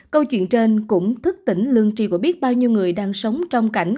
câu chuyện trên cũng thức tỉnh lương tri của biết bao nhiêu người đang sống trong cảnh